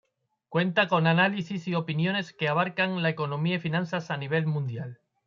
Cuenta con análisis y opiniones que abarcan la economía y finanzas a nivel mundial.